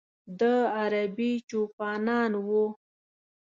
د ه عربي چوپانان و.